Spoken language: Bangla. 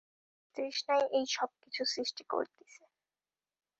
তৃষ্ণাই এই সব-কিছু সৃষ্টি করিতেছে।